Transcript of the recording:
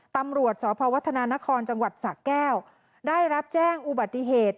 ตำรวจสพวัฒนานครจังหวัดสะแก้วได้รับแจ้งอุบัติเหตุ